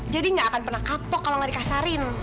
jadi nggak akan pernah kapok kalau nggak dikasarin